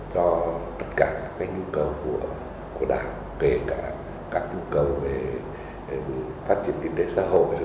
cho tất cả các nhu cầu của đảng kể cả các nhu cầu về phát triển kinh tế xã hội